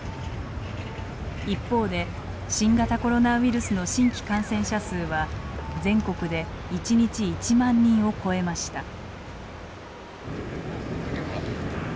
一方で新型コロナウイルスの新規感染者数は全国で一日１万人を超えました。